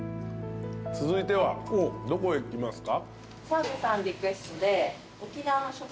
続いてはどこへ行きますか？